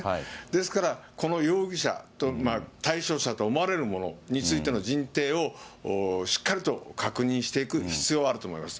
ですから、この容疑者と、対象者と思われるものについての人定を、しっかりと確認をしていく必要はあると思います。